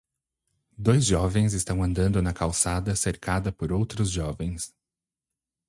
Dois jovens estão andando na calçada cercada por outros jovens.